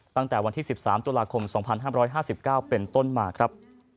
ตั้งแต่วันที่๑๓ตุลาคม๒๕๕๙เป็นต้นมาครับ